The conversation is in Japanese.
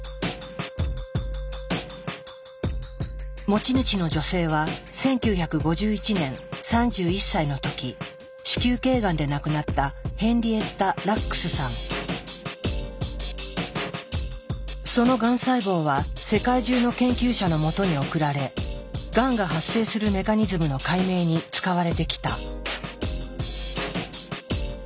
持ち主の女性は１９５１年３１歳の時子宮けいがんで亡くなったそのがん細胞は世界中の研究者のもとに送られがんが発生するメカニズムの解明に使われてきた。